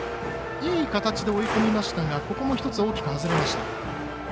いい形で追い込みましたがここも１つ大きく外れました。